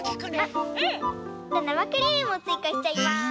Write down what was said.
なまクリームをついかしちゃいます。